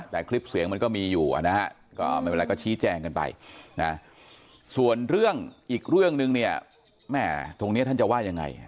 แต่คลิปเสียงมันก็มีอยู่นะฮะก็ไม่เป็นไรก็ชี้แจงกันไปนะส่วนเรื่องอีกเรื่องนึงเนี่ยแม่ตรงนี้ท่านจะว่ายังไง